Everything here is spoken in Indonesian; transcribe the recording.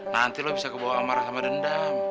nanti lo bisa kebawa amarah sama dendam